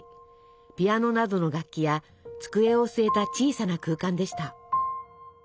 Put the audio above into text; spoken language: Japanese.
ピアノなどの楽器や机を据えた小さな空間でした。